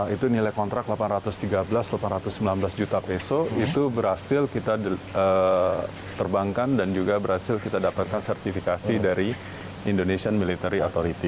itu nilai kontrak delapan ratus tiga belas delapan ratus sembilan belas juta peso itu berhasil kita terbangkan dan juga berhasil kita dapatkan sertifikasi dari indonesian military authority